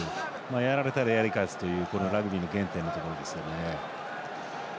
やられたらやり返すというラグビーの原点ですね。